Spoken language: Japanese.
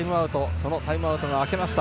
そのタイムアウトが明けました。